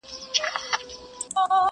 دې میدان کي د چا نه دی پوروړی،